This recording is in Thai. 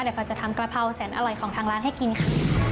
เดี๋ยวเราจะทำกะเพราแสนอร่อยของทางร้านให้กินค่ะ